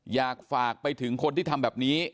อยากฝากไปถึงคนที่ทำแบบนี้